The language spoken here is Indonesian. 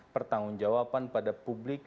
pertanggung jawaban pada publik